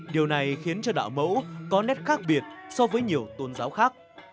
điều này khiến cho đạo mẫu có nét khác biệt so với nhiều tôn giáo khác